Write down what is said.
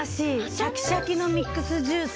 シャキシャキのミックスジュース。